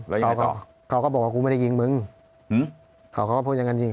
แล้วยังไงต่อเขาก็บอกว่ากูไม่ได้ยิงมึงอืมเขาก็พูดอย่างนั้นจริง